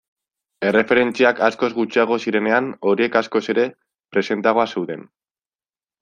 Erreferentziak askoz gutxiago zirenean, horiek askoz ere presenteago zeuden.